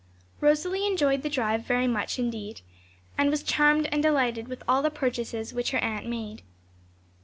Rosalie enjoyed the drive very much indeed, and was charmed and delighted with all the purchases which her aunt made.